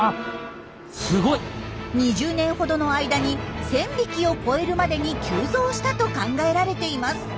２０年ほどの間に１，０００匹を超えるまでに急増したと考えられています。